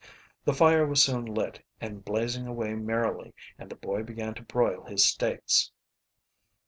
The fire was soon lit and blazing away merrily, and the boy began to broil his steaks.